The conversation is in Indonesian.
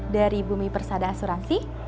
dari bumi persada asuransi